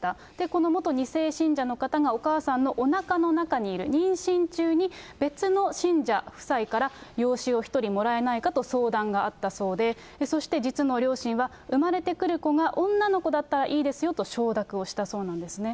この元２世信者の方が、お母さんのおなかの中にいる、妊娠中に、別の信者夫妻から、養子を１人もらえないかと相談があったそうで、そして実の両親は産まれてくる子が女の子だったらいいですよと承諾をしたそうなんですね。